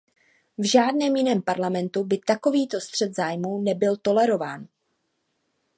V žádném jiném parlamentu by takovýto střet zájmů nebyl tolerován.